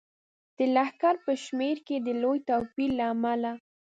د لښکر په شمیر کې د لوی توپیر له امله.